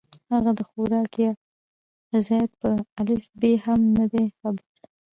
هغه د خوراک يا غذائيت پۀ الف ب هم نۀ دي خبر